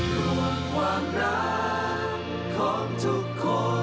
ห่วงความรักของทุกคน